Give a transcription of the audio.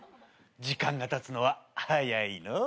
時間がたつのははやいのう。